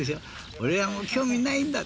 俺は興味ないんだ。